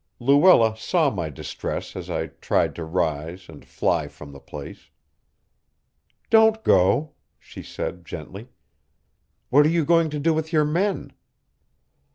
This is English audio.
Luella saw my distress as I tried to rise and fly from the place. "Don't go," she said gently. "What are you going to do with your men?"